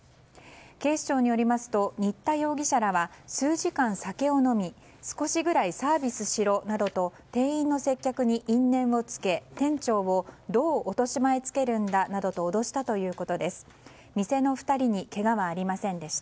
警視庁によりますと新田容疑者らは数時間、酒を飲み少しぐらいサービスしろなどと店員の接客に因縁をつけ店長をどう落とし前つけるんだなどと続いてはソラよみ。